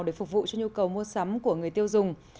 để phục vụ cho nhu cầu mua sắm của người tiêu dùng